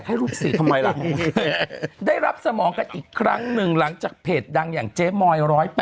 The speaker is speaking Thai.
หรือสิไปเหล่าได้รับสำองกันอีกครั้งหนึ่งหลังจากเพจดังอย่างเจ็บมอยร้อย